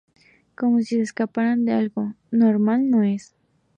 como si se escaparan de algo. normal no es.